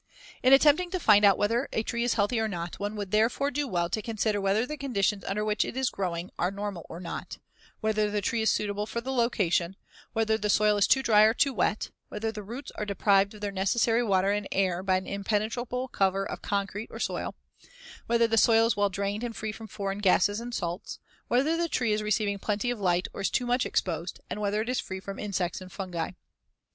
In attempting to find out whether a tree is healthy or not, one would therefore do well to consider whether the conditions under which it is growing are normal or not; whether the tree is suitable for the location; whether the soil is too dry or too wet; whether the roots are deprived of their necessary water and air by an impenetrable cover of concrete or soil; whether the soil is well drained and free from foreign gases and salts; whether the tree is receiving plenty of light or is too much exposed; and whether it is free from insects and fungi.